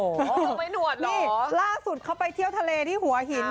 ตรงไปหนวดเหรอล่าสุดเข้าไปเที่ยวทะเลที่หัวหิน